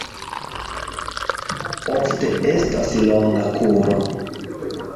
Ofte estas longa kuro.